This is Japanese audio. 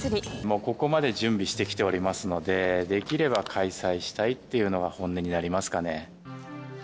ここまで準備してきておりますので、できれば開催したいっていうのは本音になりますかね。